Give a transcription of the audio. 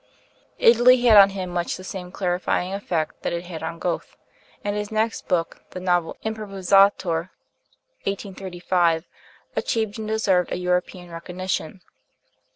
Italy had on him much the same clarifying effect that it had on Goethe; and his next book, the novel 'Improvisatore' (1835), achieved and deserved a European recognition.